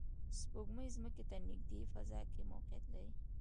سپوږمۍ ځمکې ته نږدې فضا کې موقعیت لري